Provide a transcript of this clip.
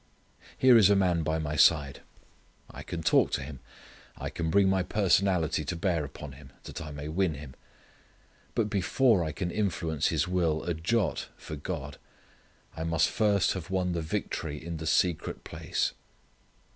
Here is a man by my side. I can talk to him. I can bring my personality to bear upon him, that I may win him. But before I can influence his will a jot for God, I must first have won the victory in the secret place.